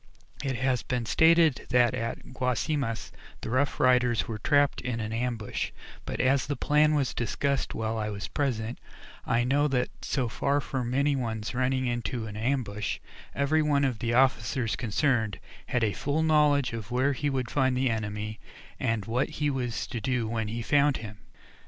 It has been stated that at Guasimas, the Rough Riders were trapped in an ambush, but, as the plan was discussed while I was present, I know that so far from any ones running into an ambush, every one of the officers concerned had a full knowledge of where he would find the enemy, and what he was to do when he found him.